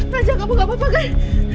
raja kamu gak apa apa kan